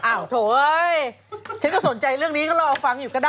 โถเอ้ยฉันก็สนใจเรื่องนี้ก็รอฟังอยู่ก็ได้